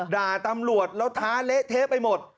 ด่าตำรวจแล้วท้าเละเทะไปหมด